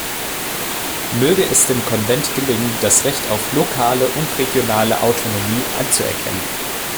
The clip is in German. Möge es dem Konvent gelingen, das Recht auf lokale und regionale Autonomie anzuerkennen.